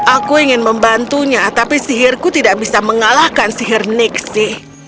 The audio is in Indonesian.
aku ingin membantunya tapi sihirku tidak bisa mengalahkan sihir nixi